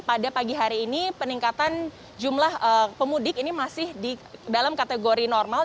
pada pagi hari ini peningkatan jumlah pemudik ini masih dalam kategori normal